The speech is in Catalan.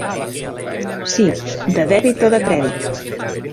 Sí, de dèbit o de crèdit.